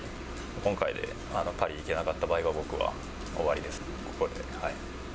今回でパリに行けなかった場合は、僕は終わりです、ここで。